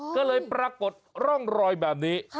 ก็เลยปรากฏร่องรอยแบบนี้